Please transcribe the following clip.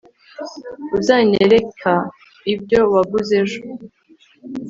uzanyereka ibyo waguze ejo